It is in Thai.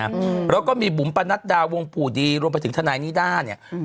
แล้วก็มีบุ๋มประนัดดาววงภูมิดีรวมไปถึงธนายนิดาเนี่ย